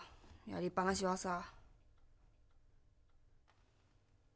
やりっぱなしはさ。